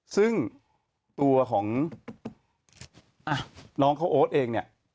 ซึ่งตัวของน้องเขาโอ๊ตเองเนี่ย